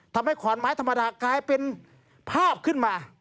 ขอนไม้ธรรมดากลายเป็นภาพขึ้นมา